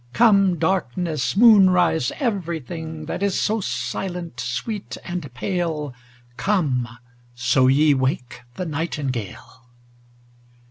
Come darkness, moonrise, every thing That is so silent, sweet, and pale: Come, so ye wake the nightingale.